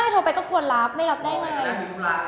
โทรไปก็ควรรับใช่ไหม